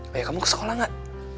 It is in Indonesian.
banyak kamu ke sekolah nggak